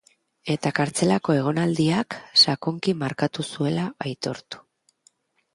Eta kartzelako egonaldiak sakonki markatu zuela aitortu.